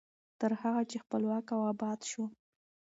تر هغه چې خپلواک او اباد شو.